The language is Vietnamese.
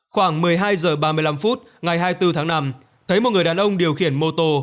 khoảng một mươi hai h ba mươi năm phút ngày hai mươi bốn tháng năm thấy một người đàn ông điều khiển mô tô